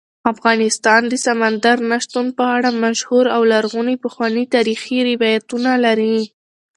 افغانستان د سمندر نه شتون په اړه مشهور او لرغوني پخواني تاریخی روایتونه لري.